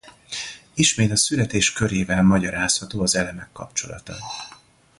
Ismét a születés körével magyarázható az elemek kapcsolata.